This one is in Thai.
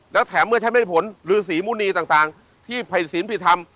และแถมเมื่อใช้ไม่ได้ผลฤษีมุณีต่างที่ภัยศิลปิธรรม